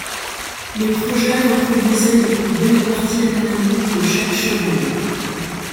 Les projets reproduisaient les plus belles parties anatomiques de chaque cheval.